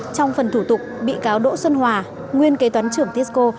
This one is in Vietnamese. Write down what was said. trong phần thủ tục bị cáo đỗ xuân hòa nguyên kế toán trưởng tisco